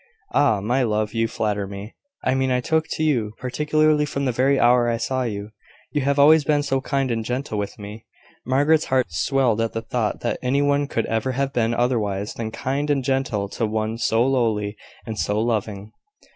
"Ah! my love, you flatter me. I mean I took to you particularly from the very hour I saw you. You have always been so kind and gentle with me!" Margaret's heart swelled at the thought that any one could ever have been otherwise than kind and gentle to one so lowly and so loving.